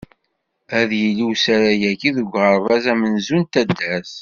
Ad yili usarag-agi deg uɣerbaz amenzu n taddart.